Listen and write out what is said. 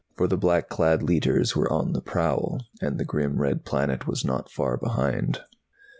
For the black clad Leiters were on the prowl ... and the grim red planet was not far behind.